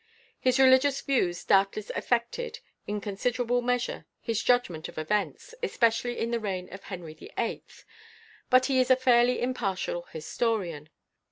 His religious views doubtless affected, in considerable measure, his judgment of events, especially in the reign of Henry VIII., but he is a fairly impartial historian.